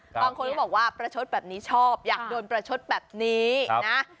บางคนก็บอกว่าประชดแบบนี้ชอบอยากโดนประชดแบบนี้นะ